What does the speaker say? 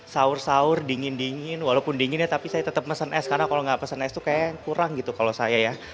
sahur sahur dingin dingin walaupun dingin ya tapi saya tetap pesan es karena kalau nggak pesen es itu kayaknya kurang gitu kalau saya ya